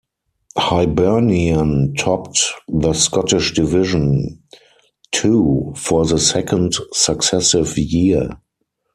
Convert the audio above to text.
Hibernian topped the Scottish Division Two for the second successive year.